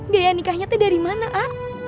biaya nikahnya itu dari mana a